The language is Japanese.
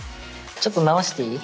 ちょっと直していい？